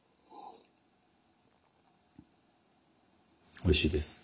おいしいです。